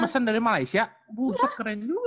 mesen dari malaysia buset keren juga